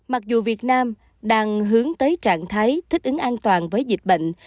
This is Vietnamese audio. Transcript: mặc dù việt nam đang hướng tới trạng thái thích ứng an toàn với dịch bệnh